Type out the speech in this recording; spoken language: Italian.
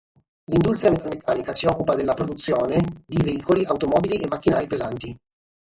L'industria metalmeccanica si occupa della produzione i veicoli, automobili e macchinari pesanti.